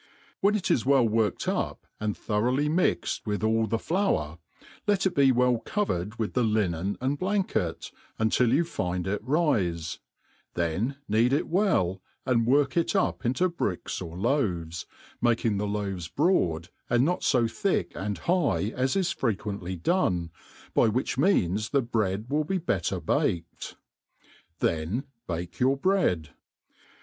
WKen it is well worked up, and thoroughly mixed with all the flour, let it be well covered with the linen and blanket, until you find it rife ; then knead it well, and work it up into bricks or loaves, making the loaves broad, and not fo thick and high as is fre quently done, by which means the bread will be better baked. Then bake your bread.